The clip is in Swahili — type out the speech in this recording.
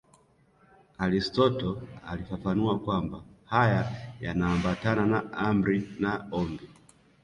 Aristotle alifafanua kwamba haya yanaambatana na amri na ombi.